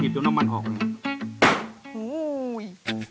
หยิบจนน้ำมันออกเลย